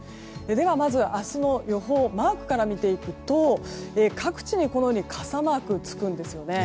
ではまず、明日の予報マークから見ていくと各地に傘マークがつくんですね。